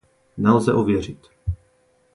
Nelze ověřit.